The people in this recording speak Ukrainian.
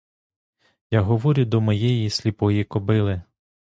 Я говорю до моєї сліпої кобили.